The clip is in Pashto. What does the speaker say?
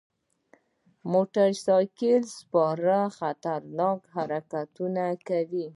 موټر سایکل سپاره خطرناک حرکتونه کوي.